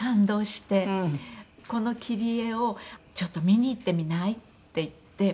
「“この切り絵をちょっと見に行ってみない？”っていって」